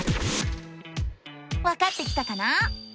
わかってきたかな？